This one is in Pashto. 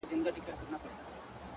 زه ـ